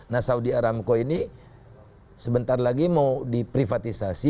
nah saudi aramco ini sebentar lagi mau diprivatisasi